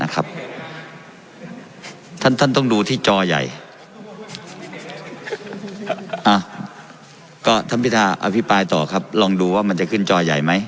ก็ท่านปริศาอภิปรายต่อครับลองดูว่ามันจะขึ้นจอใหญ่ไหม